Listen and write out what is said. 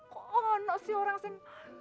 kok anak si orang sen